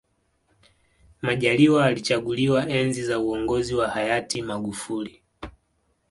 majaliwa alichaguliwa enzi za uongozi wa hayati magufuli